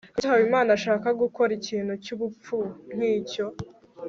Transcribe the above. kuki habimana ashaka gukora ikintu cyubupfu nkicyo